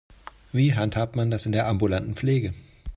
Wie handhabt man das in der ambulanten Pflege?